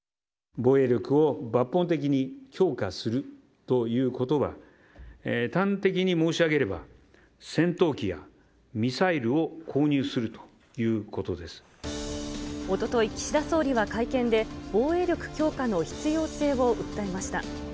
防衛力を抜本的に強化するということは端的に申し上げれば、戦闘機やミサイルを購入するといおととい、岸田総理は会見で、防衛力強化の必要性を訴えました。